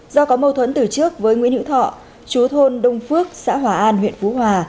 do có mâu thuẫn từ trước với nguyễn hữu thọ chú thôn đông phước xã hòa an huyện phú hòa